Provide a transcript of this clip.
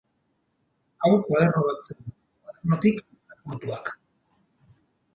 Hau koaderno bat zen koadernotik lapurtuak.